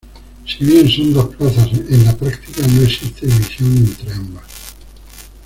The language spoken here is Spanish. Si bien son dos plazas, en la práctica no existe división entre ambas.